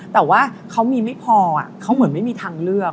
แต่ว่าเขามีไม่พอเขาเหมือนไม่มีทางเลือก